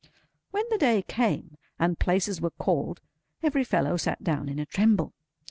When the day came, and Places were called, every fellow sat down in a tremble.